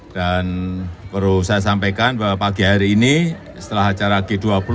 dan perlu saya sampaikan bahwa pagi hari ini setelah acara g dua puluh